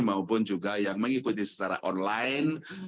maupun juga yang mengikuti secara online